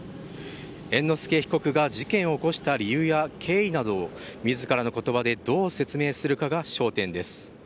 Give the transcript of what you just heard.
猿之助被告が事件を起こした理由や経緯などを自らの言葉でどう説明するかが焦点です。